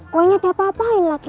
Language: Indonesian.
kuenya dia apa apain lagi